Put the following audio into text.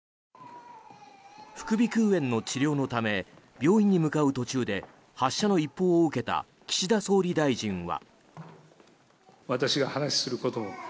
副鼻腔炎の治療のため病院に向かう途中で発射の一報を受けた岸田総理は。